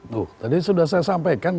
tuh tadi sudah saya sampaikan